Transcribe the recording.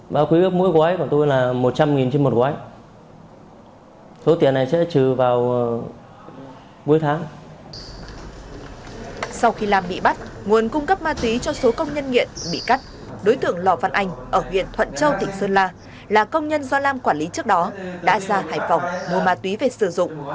sau khi lam bị bắt nguồn cung cấp ma túy cho số công nhân nghiện bị cắt đối tượng lò văn anh ở huyện thuận châu tỉnh sơn la là công nhân do lam quản lý trước đó đã ra hải phòng mua ma túy về sử dụng